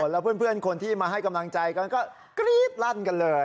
แล้วเพื่อนคนที่มาให้กำลังใจกันก็กรี๊ดลั่นกันเลย